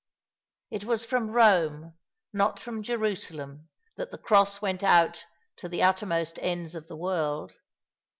It was from Eome, not from Jerusalem, that the Cross went out to the uttermost ends of the world.